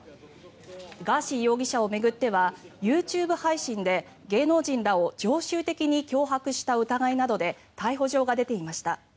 ガーシー容疑者を巡ってはＹｏｕＴｕｂｅ配信で芸能人らを常習的に脅迫した疑いなどで逮捕状が出ていました。